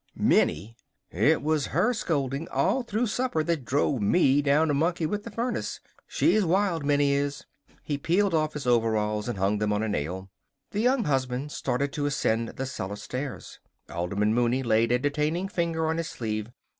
"Minnie! It was her scolding all through supper that drove me down to monkey with the furnace. She's wild Minnie is." He peeled off his overalls and hung them on a nail. The Young Husband started to ascend the cellar stairs. Alderman Mooney laid a detaining finger on his sleeve.